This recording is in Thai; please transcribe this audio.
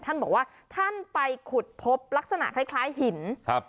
ท่านบอกว่าท่านไปขุดพบลักษณะคล้ายคล้ายหินครับ